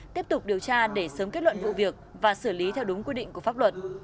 tiếp tục điều tra để sớm kết luận vụ việc và xử lý theo đúng quy định của pháp luật